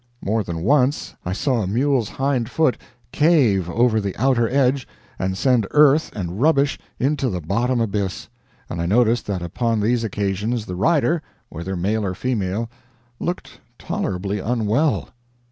More than once I saw a mule's hind foot cave over the outer edge and send earth and rubbish into the bottom abyss; and I noticed that upon these occasions the rider, whether male or female, looked tolerably unwell.